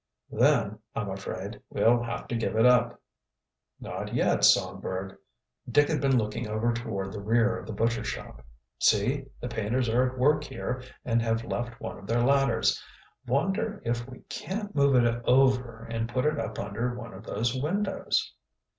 "Then, I'm afraid, we'll have to give it up." "Not yet, Songbird." Dick had been looking over toward the rear of the butcher shop. "See, the painters are at work here and have left one of their ladders. Wonder if we can't move it over and put it up under one of those windows?"